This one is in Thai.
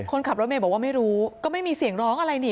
คนขับรถเมย์บอกว่าไม่รู้ก็ไม่มีเสียงร้องอะไรนี่